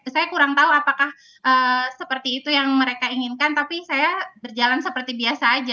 saya kurang tahu apakah seperti itu yang mereka inginkan tapi saya berjalan seperti biasa aja